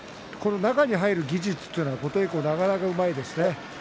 中に入る技術は琴恵光なかなかうまいですね。